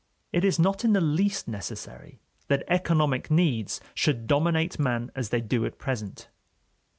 It is not in the least necessary that economic needs should dominate man as they do at present.